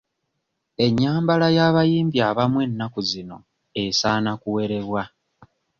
Ennyambala y'abayimbi abamu ennaku zino esaana kuwerebwa.